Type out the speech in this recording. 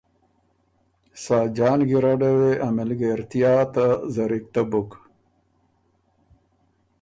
ساجان ګیرډه وې ا مِلګېریا ته زرِکته بُک